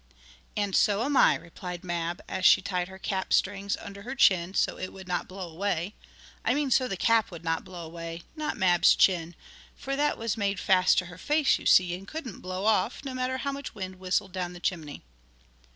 "And so am I," replied Mab, as she tied her cap strings under her chin, so it would not blow away I mean so the cap would not blow away, not Mab's chin; for that was made fast to her face, you see, and couldn't blow off, no matter how much wind whistled down the chimney.